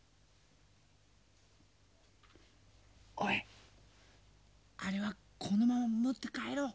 おいあれはこのまま持って帰ろう。